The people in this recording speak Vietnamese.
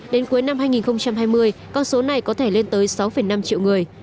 đến cuối năm hai nghìn hai mươi con số này có thể lên tới sáu năm triệu người